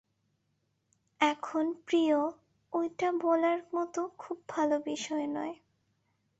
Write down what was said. এখন, প্রিয়, ঐটা বলার মতো খুব ভালো বিষয় নয়।